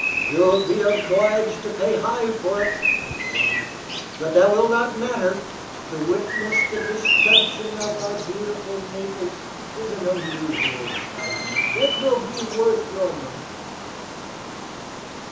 "You will be obliged to pay high for it," he warned; "but that will not matter. To witness the destruction of our beautiful Naples is an unusual sight. It will be worth your money."